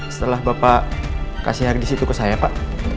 setelah bapak kasih harddisk itu ke saya pak